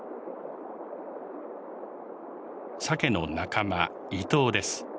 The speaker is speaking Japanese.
サケの仲間イトウです。